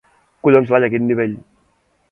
Collons, Laia, quin nivell!